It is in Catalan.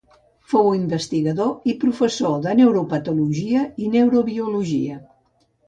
Fou investigador i professor de neuropatologia i neurobiologia.